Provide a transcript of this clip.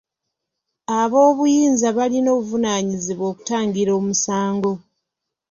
Aboobuyinza balina obuvunaanyizibwa okutangira omusango.